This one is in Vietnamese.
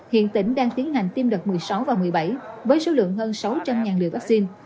hiện tỉnh đang tiến hành tiêm đợt một mươi sáu và một mươi bảy với số lượng hơn sáu trăm linh liều vaccine